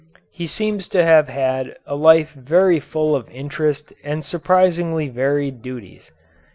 He seems to have had a life very full of interest and surprisingly varied duties.